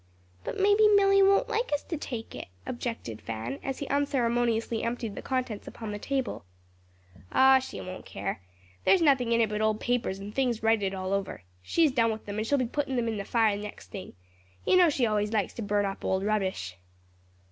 "But maybe Milly won't like us to take it," objected Fan, as he unceremoniously emptied the contents upon the table. "Oh, she won't care; there's nothing in it but old papers and things writed all over. She's done with them and she'll be puttin' them in the fire next thing. You know she always likes to burn up old rubbish."